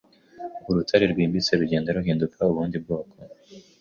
Urutare rwimbitse rugenda ruhinduka ubundi bwoko